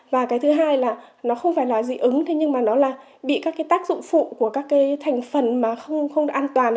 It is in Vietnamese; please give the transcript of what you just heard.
và cái thứ hai là nó không phải là dị ứng nhưng mà nó là bị các tác dụng phụ của các thành phần mà không an toàn